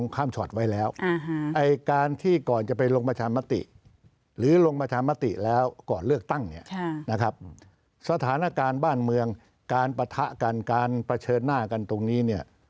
การประทะกันการประเฌิดหน้ากันตรงนี้เนี่ย